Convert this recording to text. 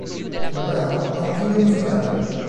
Il brano ha un video musicale.